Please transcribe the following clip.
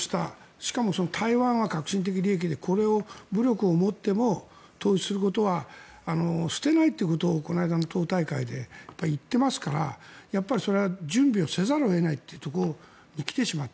しかも台湾は核心的利益でこれを武力を持っても統一することは捨てないということをこの間の党大会で言ってますからやっぱり、準備をせざるを得ないというところに来てしまった。